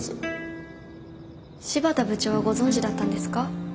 新発田部長はご存じだったんですか？